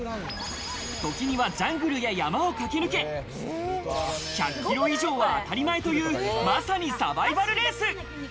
時にはジャングルや山を駆け抜け、１００キロ以上は当たり前という、まさにサバイバルレース。